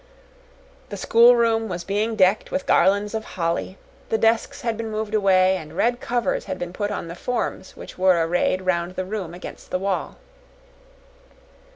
The schoolroom was being decked with garlands of holly; the desks had been moved away, and red covers had been put on the forms which were arrayed round the room against the wall.